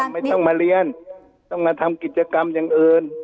ไม่ต้องมาเรียนต้องมาทำกิจกรรมอย่างอื่น